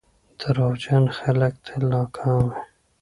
• دروغجن خلک تل ناکام وي.